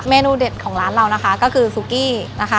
เมนูเด็ดของร้านเรานะคะก็คือซุกี้นะคะ